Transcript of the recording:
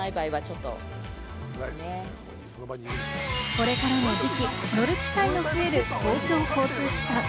これからの時期、乗る機会の増える公共交通機関。